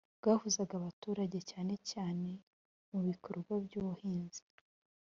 bwahuzaga abaturage cyane cyane mu bikorwa by'ubuhinzi